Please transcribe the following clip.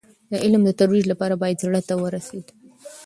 د علم د ترویج لپاره باید زړه ته ورسېدو.